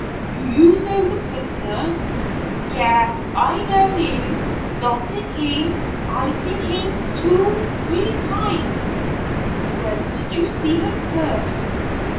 "Do you know the prisoner?" "Yas, I know heem. Dot is heem, I seen heem two, t'ree times." "When did you see him first?"